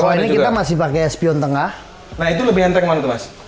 kalau ini kita masih pakai espion tengah nah itu lebih enteng mana tuh mas